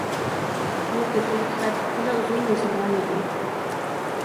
بۇ قېتىمقى خەت خېلى ئۇزۇن يېزىلغان ئىدى.